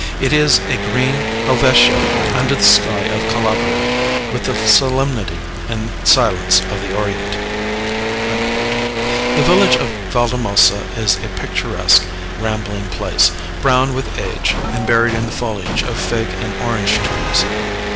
It is a green Helvetia under the sky of Calabria, with the solemnity and silence of the Orient." The village of Valdemosa is a picturesque, rambling place, brown with age, and buried in the foliage of fig and orange trees.